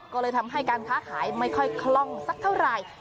ก็เลยทำให้การค้าขายไม่ค่อยคล่องสักเท่าไหร่